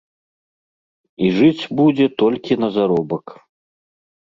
І жыць будзе толькі на заробак.